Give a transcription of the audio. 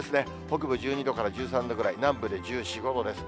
北部１２度から１３度ぐらい、南部で１４、５度です。